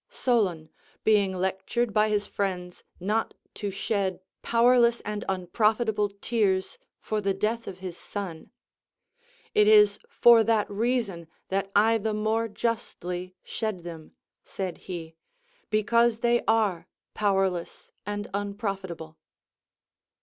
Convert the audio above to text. Solon, being lectured by his friends not to shed powerless and unprofitable tears for the death of his son, "It is for that reason that I the more justly shed them," said he, "because they are powerless and unprofitable."